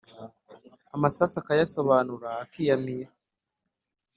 Amasasu akayasobanura akiyamira